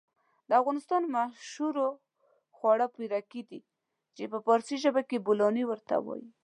د افغانستان مشهور خواړه پيرکي دي چې په فارسي ژبه کې بولانى ورته وايي.